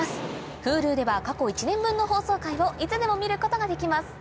Ｈｕｌｕでは過去１年分の放送回をいつでも見ることができます